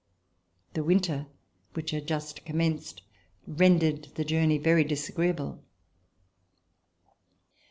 The winter which had just com menced rendered the journey very disagreeable.